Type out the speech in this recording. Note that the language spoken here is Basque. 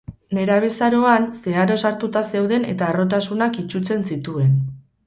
Nerabezaroan zeharo sartuta zeuden eta harrotasunak itsutzen zituen.